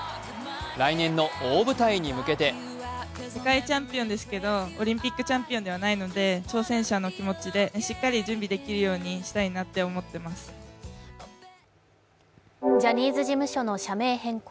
来年の大舞台に向けてジャニーズ事務所の社名変更。